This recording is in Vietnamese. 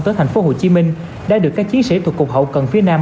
tới thành phố hồ chí minh đã được các chiến sĩ thuộc cục hậu cần phía nam